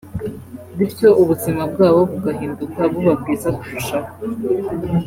bityo ubuzima bwabo bugahinduka buba bwiza kurushaho